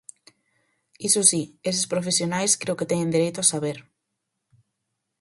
Iso si, eses profesionais creo que teñen dereito a saber.